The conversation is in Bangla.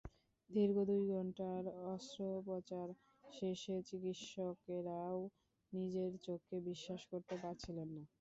দীর্ঘ দুই ঘণ্টার অস্ত্রপচার শেষে চিকিৎসকেরাও নিজের চোখকে বিশ্বাস করতে পারছিলেন না।